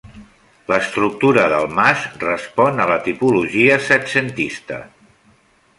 L'estructura del mas respon a la tipologia setcentista.